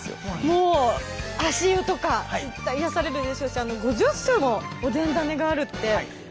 もう足湯とか行ったら癒やされるでしょうし５０種もおでん種があるってすごいです。